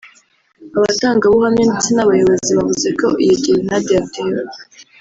Abatangabuhamya ndetse n’abayobozi bavuze ko iyo gerenade yatewe